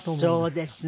そうですね。